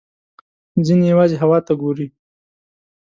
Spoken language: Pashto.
ځینې یوازې هوا ته ګوري.